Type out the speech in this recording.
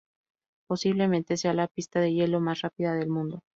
Posiblemente sea la pista de hielo más rápida del mundo.